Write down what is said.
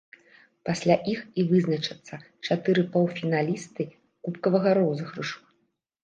Пасля іх і вызначацца чатыры паўфіналісты кубкавага розыгрышу.